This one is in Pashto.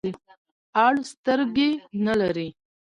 اړ سترګي نلری .